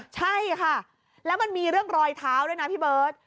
ใช่ค่ะแล้วมันมีเรื่องรอยเท้าด้วยนะพี่เบิร์ต